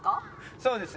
そうですね